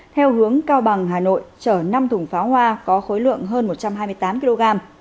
theo hướng cao bằng hà nội chở năm thùng pháo hoa có khối lượng hơn một trăm hai mươi tám kg